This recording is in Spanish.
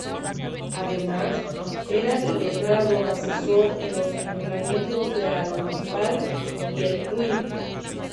Además, era letrado asesor en los ayuntamientos de Albal y El Puig.